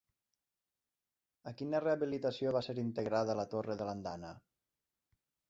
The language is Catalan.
A quina rehabilitació va ser integrada la torre de l'Andana?